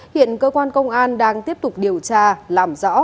hiện cơ quan công an đang tiếp tục điều tra làm rõ